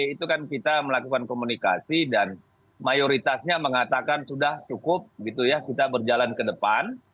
itu kan kita melakukan komunikasi dan mayoritasnya mengatakan sudah cukup gitu ya kita berjalan ke depan